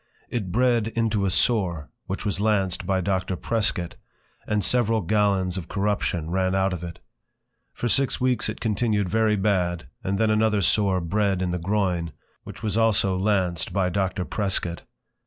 It bred into a Sore, which was launced by Doctor Prescot, and several Gallons of Corruption ran out of it. For six Weeks it continued very bad, and then another Sore bred in the Groin, which was also lanced by Doctor Prescot.